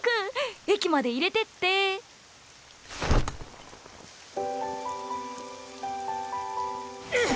駅まで入れてってうっ！